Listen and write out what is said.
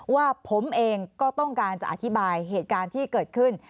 ว่าผมเองก็ต้องการจะอธิบายเหตุการณ์ที่เกิดขึ้น